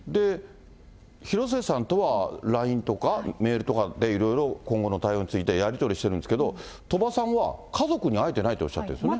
広末さんとはＬＩＮＥとか、メールとかでいろいろ今後の対応についてやり取りしてるんですけれども、鳥羽さんは、家族に会えてないとおっしゃってるんですね。